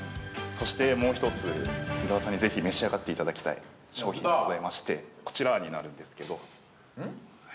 ◆そしてもう１つ、伊沢さんにぜひ召し上がっていただきたい商品がございまして、こちらになるんですけど◆ん？